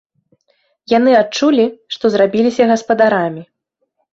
Яны адчулі, што зрабіліся гаспадарамі.